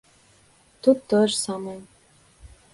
Тут тое ж самае.